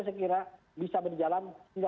saya kira bisa berjalan